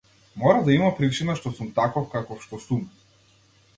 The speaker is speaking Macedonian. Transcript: Мора да има причина што сум таков каков што сум.